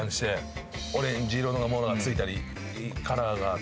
オレンジ色のものがついたりカラーが取れなくなる。